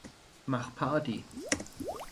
Mach Party!